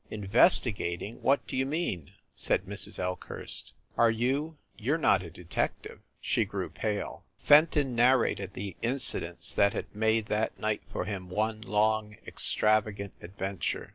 "Investigating! What d you mean?" said Mrs. Elkhurst. "Are you you re not a detective ?" She grew pale. Fenton narrated the incidents that had made that night for him one long, extravagant adventure.